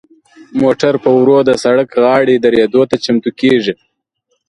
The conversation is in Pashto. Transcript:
موټر په ورو د سړک غاړې دریدو ته چمتو کیږي.